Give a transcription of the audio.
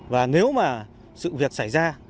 và nếu mà sự việc xảy ra